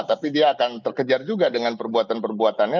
tapi dia akan terkejar juga dengan perbuatan perbuatannya